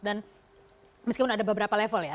dan meskipun ada beberapa level ya